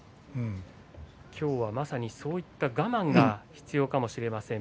今日はまさにそういった我慢が必要かもしれません。